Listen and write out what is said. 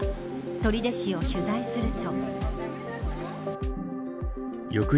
取手市を取材すると。